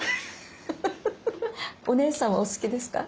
お姉さんはお好きですか？